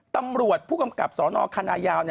ตำรวจผู้กำกับสนคณะยาว